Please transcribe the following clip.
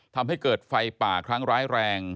ทำให้เกิดไฟป่าครั้งร้ายแรง